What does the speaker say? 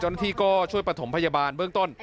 เจ้าหน้าที่ก็ช่วยประถมพยาบาลเบื้องต้น